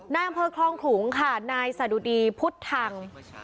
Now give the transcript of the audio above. นั่งเผลอคล่องถูงค่ะนายสะดุดีพุทธัง